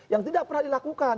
yang tidak pernah dilakukan